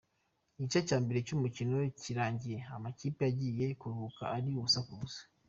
Igice cya mbere cy’umukino kirarangiye, amakipe agiye kuruhuka ari ubusa ku busa.